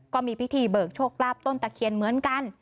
ก็มีพิธีเบิกโชคลาภต้นตะเคียนเหมือนกัน